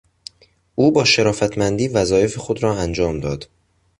او با شرافتمندی وظایف خود را انجام داد.